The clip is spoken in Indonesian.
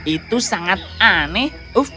itu sangat aneh